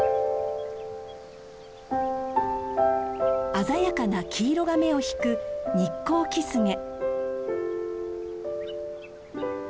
鮮やかな黄色が目を引くニッコウキスゲ。